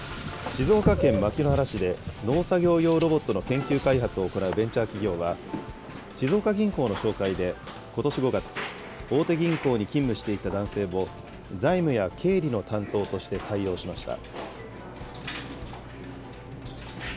静岡県牧之原市で農作業用ロボットの研究開発を行うベンチャー企業は、静岡銀行の紹介でことし５月、大手銀行に勤務していた男性を財務や経理の担当として採用しました。